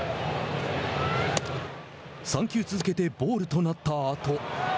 ３球続けてボールとなったあと。